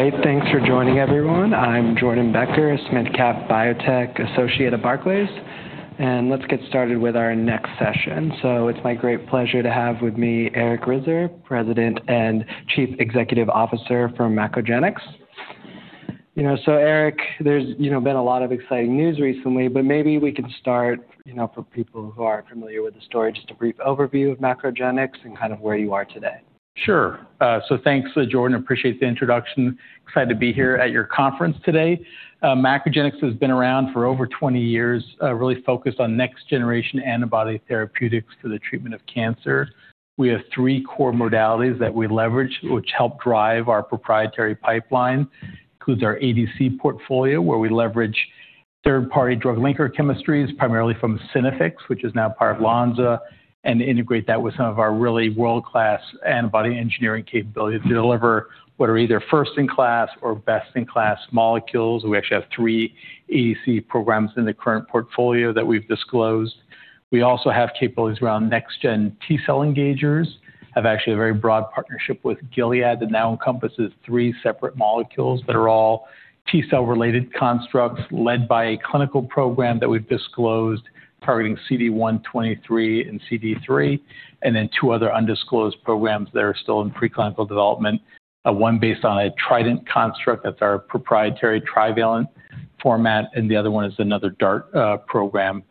All right, thanks for joining everyone. I'm Jordan Becker, a SmithCap Biotech Associate at Barclays. Let's get started with our next session. It's my great pleasure to have with me Scott Koenig, President and Chief Executive Officer for MacroGenics. Scott, there's you know been a lot of exciting news recently, but maybe we can start, you know, for people who aren't familiar with the story, just a brief overview of MacroGenics and kind of where you are today. Sure. Thanks, Jordan. Appreciate the introduction. Excited to be here at your conference today. MacroGenics has been around for over 20 years, really focused on next generation antibody therapeutics for the treatment of cancer. We have three core modalities that we leverage, which help drive our proprietary pipeline. Includes our ADC portfolio, where we leverage third-party drug linker chemistries, primarily from Synaffix, which is now part of Lonza, and integrate that with some of our really world-class antibody engineering capabilities to deliver what are either first-in-class or best-in-class molecules. We actually have three ADC programs in the current portfolio that we've disclosed. We also have capabilities around next gen T-cell engagers, have actually a very broad partnership with Gilead that now encompasses three separate molecules that are all T-cell related constructs led by a clinical program that we've disclosed targeting CD123 and CD3, and then two other undisclosed programs that are still in preclinical development. One based on a TRIDENT construct, that's our proprietary trivalent format, and the other one is another DART program.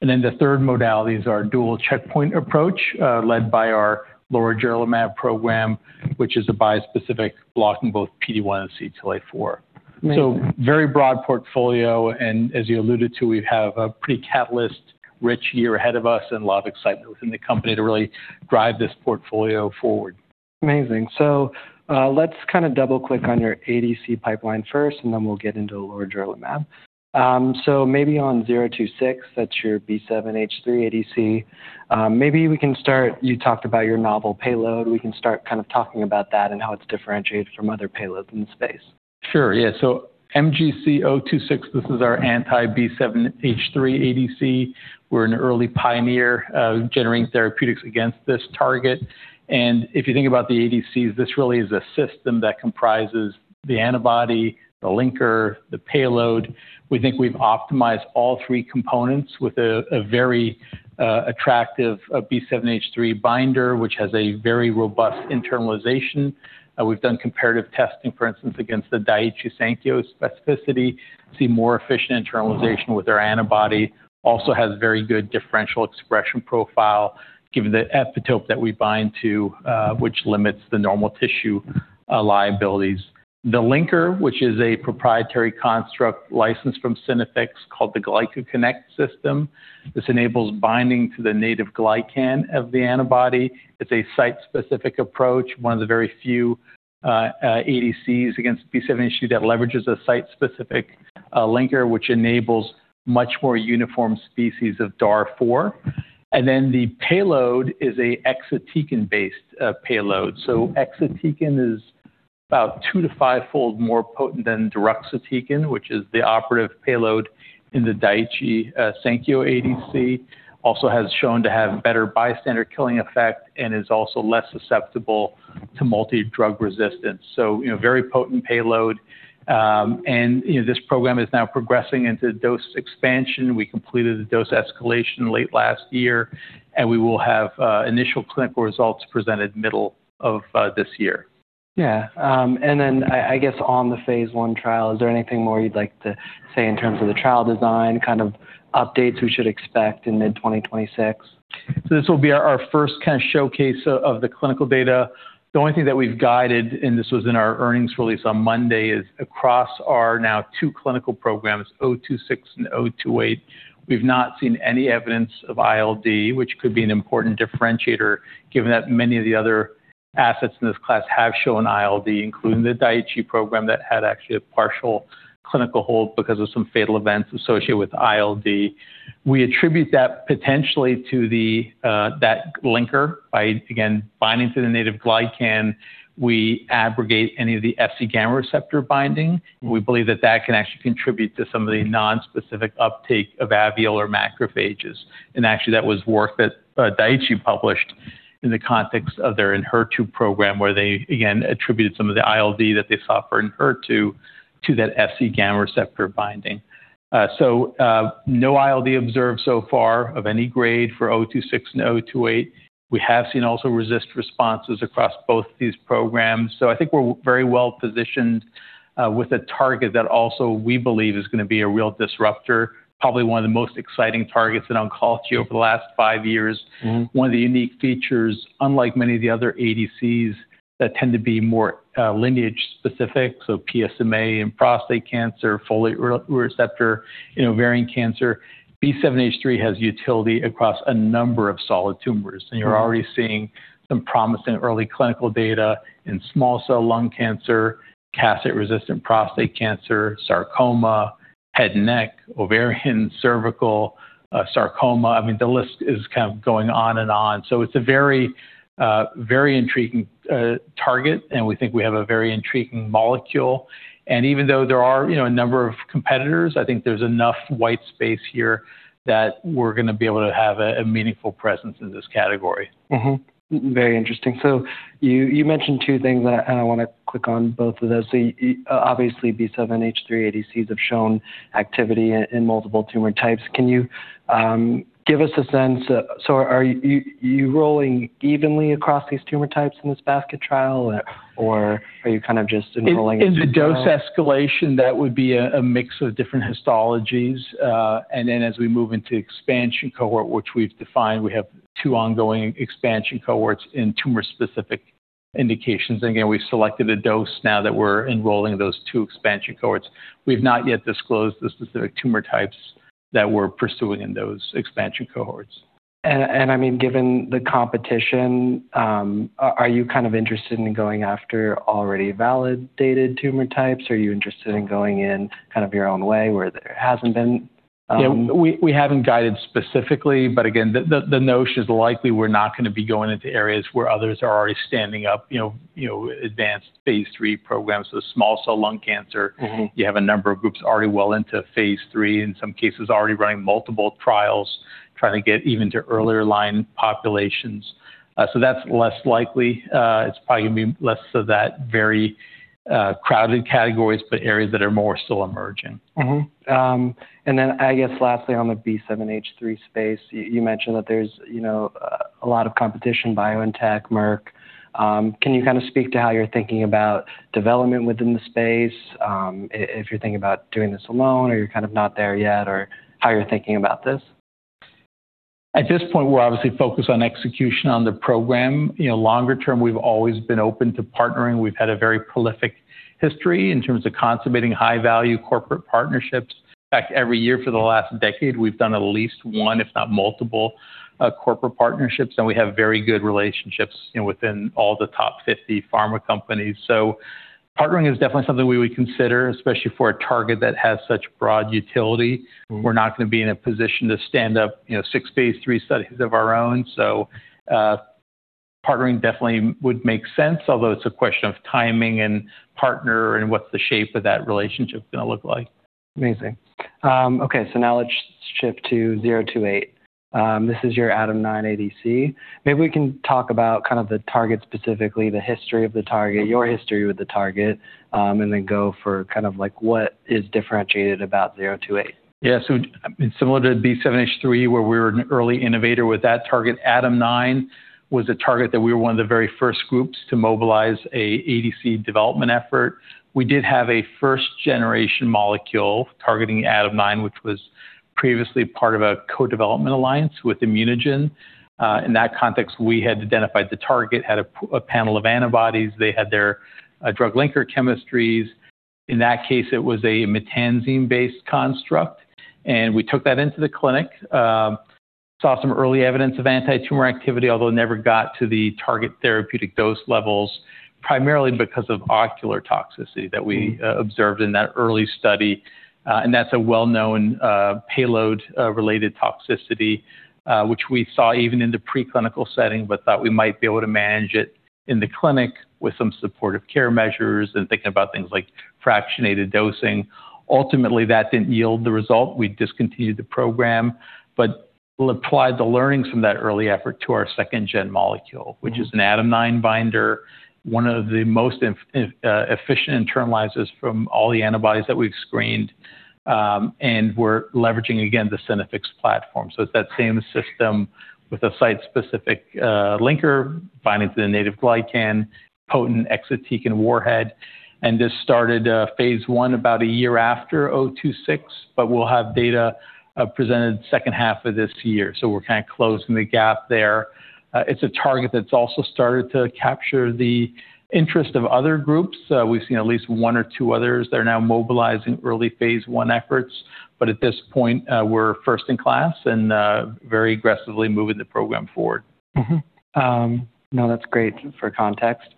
The third modality is our dual checkpoint approach, led by our lorigerlimab program, which is a bispecific blocking both PD-1 and CTLA-4. Amazing. Very broad portfolio, and as you alluded to, we have a pretty catalyst-rich year ahead of us and a lot of excitement within the company to really drive this portfolio forward. Amazing. Let's kind of double-click on your ADC pipeline first, and then we'll get into lorigerlimab. Maybe on 026, that's your B7-H3 ADC. You talked about your novel payload. We can start kind of talking about that and how it's differentiated from other payloads in the space? Sure. Yeah. MGC026, this is our anti-B7-H3 ADC. We're an early pioneer of generating therapeutics against this target. If you think about the ADCs, this really is a system that comprises the antibody, the linker, the payload. We think we've optimized all three components with a very attractive B7-H3 binder, which has a very robust internalization. We've done comparative testing, for instance, against the Daiichi Sankyo specificity. We see more efficient internalization with our antibody. Also has very good differential expression profile given the epitope that we bind to, which limits the normal tissue liabilities. The linker, which is a proprietary construct licensed from Synaffix called the GlycoConnect system. This enables binding to the native glycan of the antibody. It's a site-specific approach, one of the very few ADCs against B7-H3 that leverages a site-specific linker, which enables much more uniform species of DAR4. The payload is a exatecan-based payload. Exatecan is about two-five-fold more potent than deruxtecan, which is the operative payload in the Daiichi Sankyo ADC. Also has shown to have better bystander killing effect and is also less susceptible to multidrug resistance. You know, very potent payload, and you know, this program is now progressing into dose expansion. We completed the dose escalation late last year, and we will have initial clinical results presented middle of this year. I guess on the phase I trial, is there anything more you'd like to say in terms of the trial design, kind of updates we should expect in mid 2026? This will be our first kind of showcase of the clinical data. The only thing that we've guided, and this was in our earnings release on Monday, is across our now two clinical programs, MGC026 and MGC028, we've not seen any evidence of ILD, which could be an important differentiator given that many of the other assets in this class have shown ILD, including the Daiichi program that had actually a partial clinical hold because of some fatal events associated with ILD. We attribute that potentially to the that linker. By again binding to the native glycan, we abrogate any of the Fc gamma receptor binding. We believe that can actually contribute to some of the nonspecific uptake of alveolar macrophages. Actually, that was work that Daiichi published in the context of their Enhertu program, where they again attributed some of the ILD that they saw for Enhertu to that Fc gamma receptor binding. No ILD observed so far of any grade for MGC026 and MGC028. We have seen also robust responses across both these programs. I think we're very well positioned with a target that also we believe is gonna be a real disruptor, probably one of the most exciting targets in oncology over the last five years. Mm-hmm. One of the unique features, unlike many of the other ADCs that tend to be more lineage specific, so PSMA in prostate cancer, folate receptor in ovarian cancer, B7-H3 has utility across a number of solid tumors. You're already seeing some promising early clinical data in small cell lung cancer, castrate-resistant prostate cancer, sarcoma, head and neck, ovarian, cervical, sarcoma. I mean, the list is kind of going on and on. It's a very, very intriguing target, and we think we have a very intriguing molecule. Even though there are, you know, a number of competitors, I think there's enough white space here that we're gonna be able to have a meaningful presence in this category. Mm-hmm. Very interesting. You mentioned two things, and I wanna click on both of those. Obviously, B7-H3 ADCs have shown activity in multiple tumor types. Can you give us a sense? Are you rolling evenly across these tumor types in this basket trial or are you kind of just enrolling as you go? In the dose escalation, that would be a mix of different histologies. As we move into expansion cohort, which we've defined, we have two ongoing expansion cohorts in tumor-specific indications. Again, we've selected a dose now that we're enrolling those two expansion cohorts. We've not yet disclosed the specific tumor types that we're pursuing in those expansion cohorts. I mean, given the competition, are you kind of interested in going after already validated tumor types? Are you interested in going in kind of your own way where there hasn't been, Yeah. We haven't guided specifically, but again, the notion is likely we're not gonna be going into areas where others are already standing up, you know, advanced phase III programs. The small cell lung cancer. Mm-hmm You have a number of groups already well into phase III, in some cases already running multiple trials, trying to get even to earlier line populations. That's less likely. It's probably gonna be less so that very crowded categories, but areas that are more still emerging. I guess lastly on the B7-H3 space, you mentioned that there's, you know, a lot of competition, BioNTech, Merck. Can you kinda speak to how you're thinking about development within the space, if you're thinking about doing this alone, or you're kind of not there yet, or how you're thinking about this? At this point, we're obviously focused on execution on the program. You know, longer term, we've always been open to partnering. We've had a very prolific history in terms of consummating high-value corporate partnerships. In fact, every year for the last decade, we've done at least one, if not multiple, corporate partnerships, and we have very good relationships, you know, within all the top 50 pharma companies. Partnering is definitely something we would consider, especially for a target that has such broad utility. Mm-hmm. We're not gonna be in a position to stand up, you know, six phase III studies of our own. Partnering definitely would make sense, although it's a question of timing and partner and what's the shape of that relationship gonna look like. Amazing. Okay, now let's shift to MGC028. This is your ADAM9 ADC. Maybe we can talk about kind of the target specifically, the history of the target, your history with the target, and then go for kind of like what is differentiated about MGC028? Yeah. Similar to B7-H3, where we were an early innovator with that target, ADAM9 was a target that we were one of the very first groups to mobilize a ADC development effort. We did have a first-generation molecule targeting ADAM9, which was previously part of a co-development alliance with ImmunoGen. In that context, we had identified the target, had a panel of antibodies. They had their drug linker chemistries. In that case, it was a maytansine-based construct, and we took that into the clinic, saw some early evidence of anti-tumor activity, although it never got to the target therapeutic dose levels, primarily because of ocular toxicity that we observed in that early study. That's a well-known payload-related toxicity, which we saw even in the preclinical setting but thought we might be able to manage it in the clinic with some supportive care measures and thinking about things like fractionated dosing. Ultimately, that didn't yield the result. We discontinued the program, but we'll apply the learnings from that early effort to our second-gen molecule. Mm-hmm... Which is an ADAM9 binder, one of the most efficient internalizers from all the antibodies that we've screened, and we're leveraging, again, the Synaffix platform. It's that same system with a site-specific linker binding to the native glycan, potent exatecan warhead. This started phase 1 about a year after MGC026, but we'll have data presented second half of this year. We're kinda closing the gap there. It's a target that's also started to capture the interest of other groups. We've seen at least one or two others that are now mobilizing early phase 1 efforts. At this point, we're first-in-class and very aggressively moving the program forward. No, that's great for context.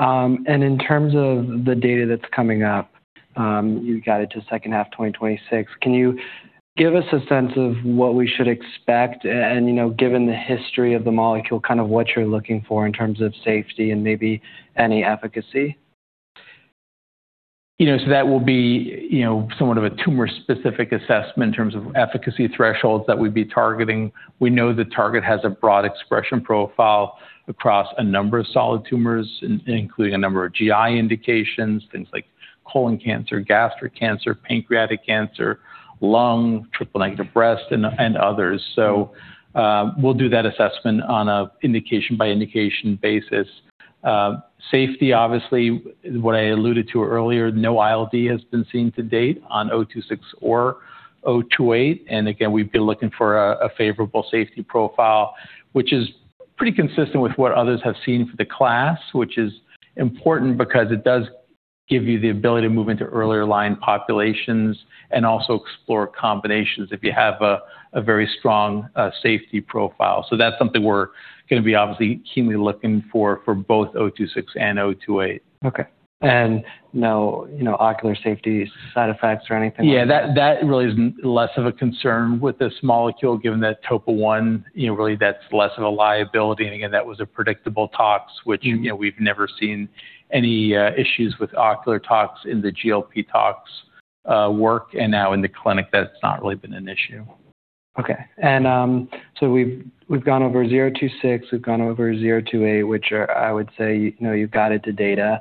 In terms of the data that's coming up, you got it to second half 2026. Can you give us a sense of what we should expect and, you know, given the history of the molecule, kind of what you're looking for in terms of safety and maybe any efficacy? You know, that will be, you know, somewhat of a tumor-specific assessment in terms of efficacy thresholds that we'd be targeting. We know the target has a broad expression profile across a number of solid tumors, including a number of GI indications, things like colon cancer, gastric cancer, pancreatic cancer, lung, triple-negative breast, and others. We'll do that assessment on an indication-by-indication basis. Safety, obviously, what I alluded to earlier, no ILD has been seen to date on MGC026 or MGC028. Again, we've been looking for a favorable safety profile, which is pretty consistent with what others have seen for the class, which is important because it does give you the ability to move into earlier line populations and also explore combinations if you have a very strong safety profile. That's something we're gonna be obviously keenly looking for both MGC026 and MGC028. Okay. No, you know, ocular safety side effects or anything like that? Yeah, that really is less of a concern with this molecule given that Topo 1, you know, really that's less of a liability. Again, that was a predictable tox, which, you know, we've never seen any issues with ocular tox in the GLP tox work, and now in the clinic that's not really been an issue. Okay. We've gone over MGC026, we've gone over MGC028, which are, I would say, you know, you've guided to data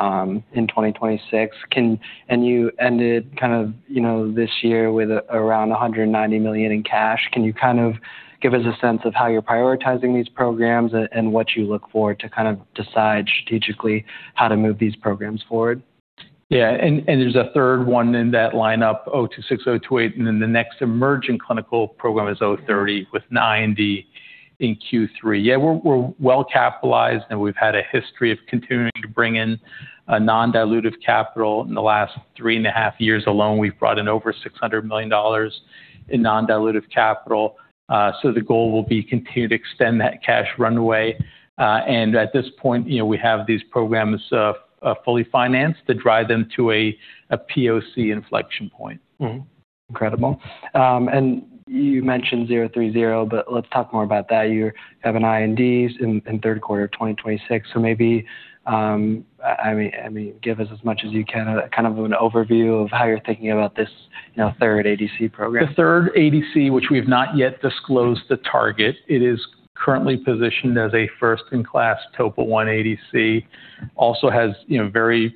in 2026. You ended kind of, you know, this year with around $190 million in cash. Can you kind of give us a sense of how you're prioritizing these programs and what you look for to kind of decide strategically how to move these programs forward? Yeah. There's a third one in that lineup, MGC026, MGC028, and then the next emerging clinical program is MGC030 with IND in Q3. Yeah, we're well capitalized, and we've had a history of continuing to bring in a non-dilutive capital. In the last 3.5 years alone, we've brought in over $600 million in non-dilutive capital. The goal will be continue to extend that cash runway. At this point, you know, we have these programs fully financed to drive them to a POC inflection point. Incredible. You mentioned MGC030, but let's talk more about that. You have an IND in third quarter of 2026. Maybe I mean give us as much as you can, kind of an overview of how you're thinking about this, you know, third ADC program? The third ADC, which we have not yet disclosed the target, it is currently positioned as a first-in-class Topo 1 ADC. Also has, you know, very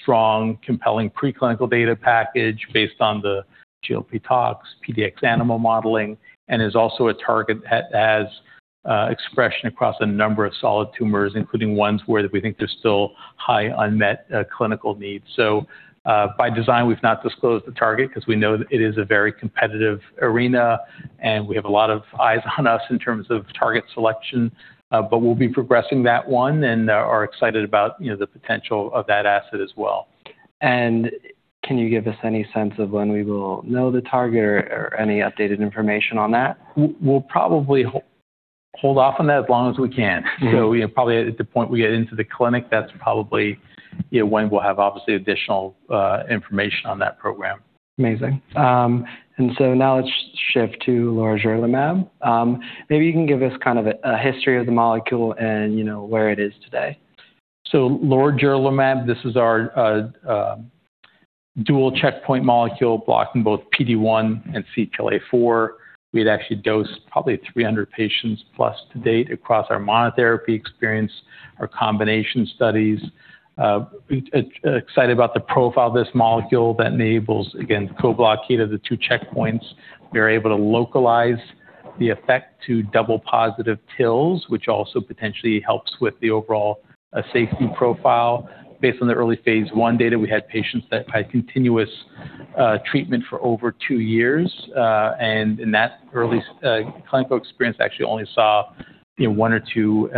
strong, compelling preclinical data package based on the GLP tox, PDX animal modeling, and is also a target that has expression across a number of solid tumors, including ones where we think there's still high unmet clinical needs. By design, we've not disclosed the target 'cause we know it is a very competitive arena, and we have a lot of eyes on us in terms of target selection. We'll be progressing that one and are excited about, you know, the potential of that asset as well. Can you give us any sense of when we will know the target or any updated information on that? We'll probably hold off on that as long as we can. Mm-hmm. You know, probably at the point we get into the clinic, that's probably, you know, when we'll have obviously additional information on that program. Amazing. Now let's shift to lorigerlimab. Maybe you can give us kind of a history of the molecule and, you know, where it is today? Lorigerlimab, this is our dual checkpoint molecule blocking both PD-1 and CTLA-4. We had actually dosed probably 300 patients plus to date across our monotherapy experience, our combination studies. Excited about the profile of this molecule that enables, again, co-blockade of the two checkpoints. We're able to localize the effect to double positive TILs, which also potentially helps with the overall safety profile. Based on the early phase I data, we had patients that had continuous treatment for over two years. In that early clinical experience, actually only saw, you know, one or two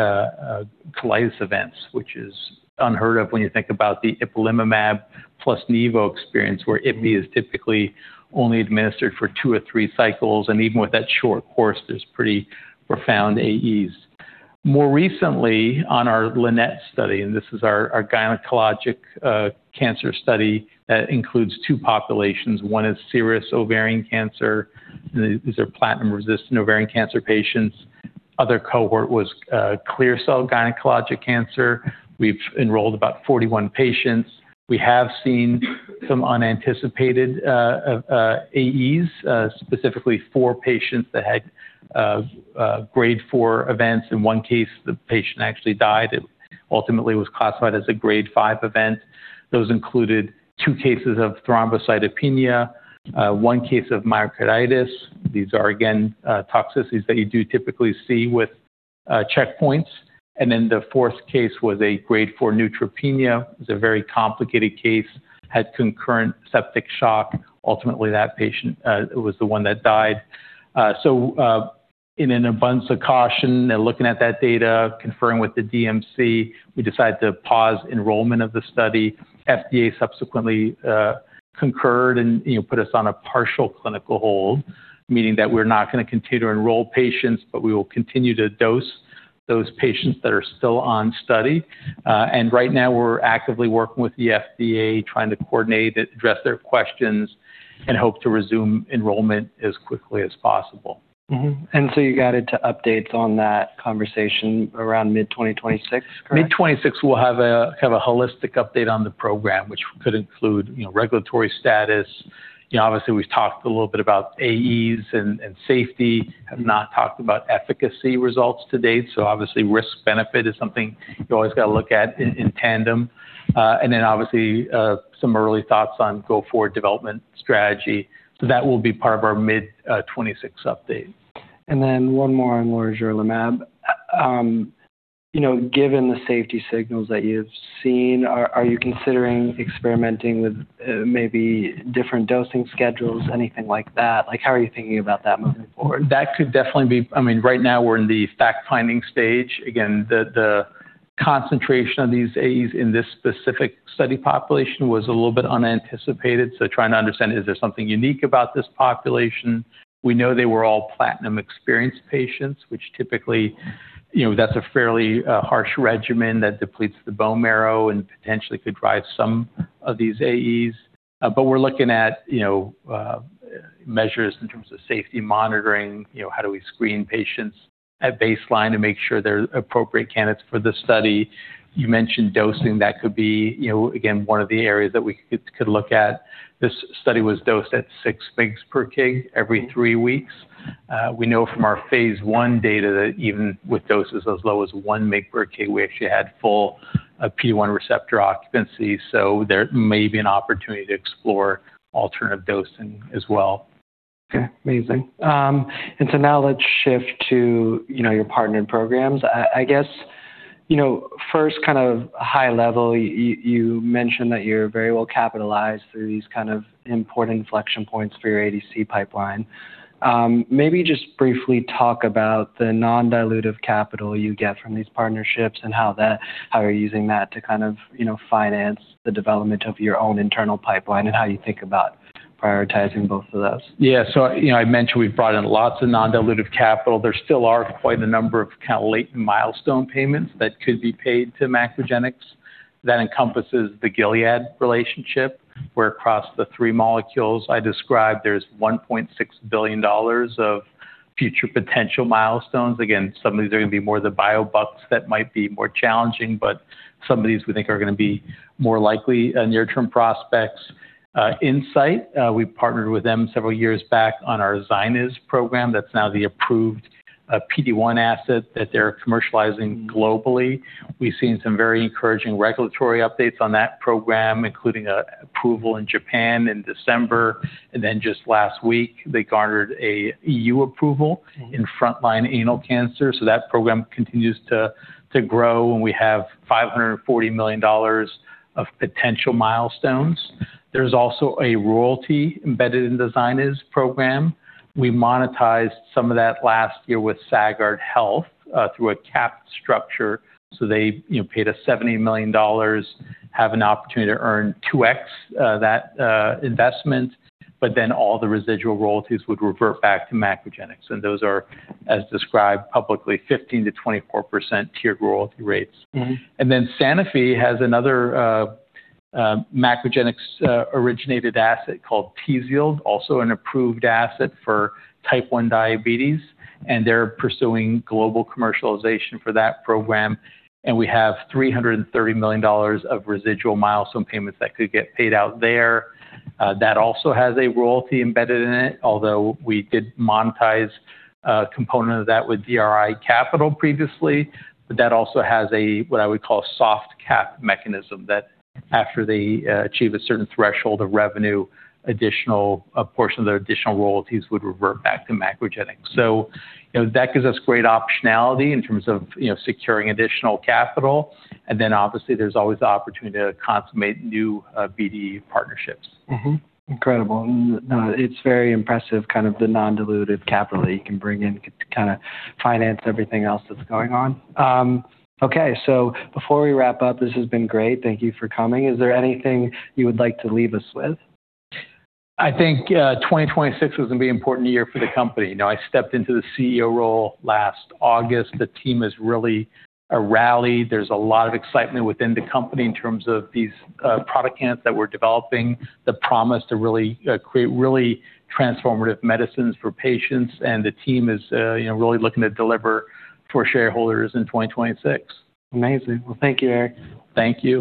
colitis events, which is unheard of when you think about the ipilimumab plus nivolumab experience, where Ipi is typically only administered for two or three cycles, and even with that short course, there's pretty profound AEs. More recently on our LINNET study. This is our gynecologic cancer study that includes two populations. One is serous ovarian cancer. These are platinum-resistant ovarian cancer patients. Other cohort was clear cell gynecologic cancer. We've enrolled about 41 patients. We have seen some unanticipated AEs, specifically four patients that had grade 4 events. In one case, the patient actually died. It ultimately was classified as a grade 5 event. Those included two cases of thrombocytopenia, one case of myocarditis. These are again toxicities that you do typically see with checkpoints. Then the fourth case was a grade 4 neutropenia. It was a very complicated case, had concurrent septic shock. Ultimately, that patient was the one that died. In an abundance of caution and looking at that data, conferring with the DMC, we decided to pause enrollment of the study. FDA subsequently concurred and, you know, put us on a partial clinical hold, meaning that we're not gonna continue to enroll patients, but we will continue to dose those patients that are still on study. Right now we're actively working with the FDA, trying to coordinate, address their questions, and hope to resume enrollment as quickly as possible. Mm-hmm. You guided to updates on that conversation around mid-2026, correct? Mid-2026, we'll have kind of a holistic update on the program, which could include, you know, regulatory status. You know, obviously, we've talked a little bit about AEs and safety. Have not talked about efficacy results to date, so obviously risk-benefit is something you always gotta look at in tandem. Then obviously, some early thoughts on go-forward development strategy. That will be part of our mid-2026 update. One more on lorigerlimab. You know, given the safety signals that you've seen, are you considering experimenting with maybe different dosing schedules, anything like that? Like, how are you thinking about that moving forward? That could definitely be. I mean, right now we're in the fact-finding stage. Again, the concentration of these AEs in this specific study population was a little bit unanticipated, so trying to understand is there something unique about this population. We know they were all platinum-experienced patients, which typically, you know, that's a fairly harsh regimen that depletes the bone marrow and potentially could drive some of these AEs. But we're looking at, you know, measures in terms of safety monitoring, you know, how do we screen patients at baseline to make sure they're appropriate candidates for the study. You mentioned dosing. That could be, you know, again, one of the areas that we could look at. This study was dosed at 6 mg per kg every three weeks. We know from our phase I data that even with doses as low as 1 mg per kg, we actually had full PD-1 receptor occupancy, so there may be an opportunity to explore alternative dosing as well. Okay, amazing. Now let's shift to, you know, your partnered programs. I guess, you know, first kind of high level, you mentioned that you're very well capitalized through these kind of important inflection points for your ADC pipeline. Maybe just briefly talk about the non-dilutive capital you get from these partnerships and how you're using that to kind of, you know, finance the development of your own internal pipeline and how you think about prioritizing both of those? Yeah. You know, I mentioned we've brought in lots of non-dilutive capital. There still are quite a number of kinda late milestone payments that could be paid to MacroGenics that encompasses the Gilead relationship, where across the three molecules I described, there's $1.6 billion of future potential milestones. Again, some of these are gonna be more the biobucks that might be more challenging, but some of these we think are gonna be more likely near term prospects. Incyte, we partnered with them several years back on our ZYNYZ program. That's now the approved PD-1 asset that they're commercializing globally. We've seen some very encouraging regulatory updates on that program, including an approval in Japan in December, and then just last week, they garnered an EU approval. Mm-hmm. In frontline anal cancer, that program continues to grow, and we have $540 million of potential milestones. There's also a royalty embedded in the ZYNYZ program. We monetized some of that last year with Sagard Health through a cap structure, so they, you know, paid us $70 million, have an opportunity to earn 2x that investment, but then all the residual royalties would revert back to MacroGenics, and those are, as described publicly, 15%-24% tiered royalty rates. Mm-hmm. Then Sanofi has another, Macrogenics originated asset called Tzield, also an approved asset for type one diabetes, and they're pursuing global commercialization for that program. We have $330 million of residual milestone payments that could get paid out there. That also has a royalty embedded in it, although we did monetize a component of that with DRI Capital previously. That also has a, what I would call, soft cap mechanism that after they achieve a certain threshold of revenue, additional, a portion of their additional royalties would revert back to MacroGenics. You know, that gives us great optionality in terms of, you know, securing additional capital, and then obviously, there's always the opportunity to consummate new BD partnerships. Incredible. No, it's very impressive, kind of the non-dilutive capital that you can bring in to kinda finance everything else that's going on. Okay, before we wrap up, this has been great. Thank you for coming. Is there anything you would like to leave us with? I think, 2026 is gonna be an important year for the company. You know, I stepped into the CEO role last August. The team has really rallied. There's a lot of excitement within the company in terms of these product candidates that we're developing that promise to really create really transformative medicines for patients. The team is, you know, really looking to deliver for shareholders in 2026. Amazing. Well, thank you, Scott Koenig. Thank you.